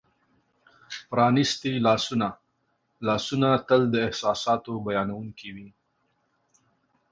پرانیستي لاسونه : لاسونه تل د احساساتو بیانونکي وي.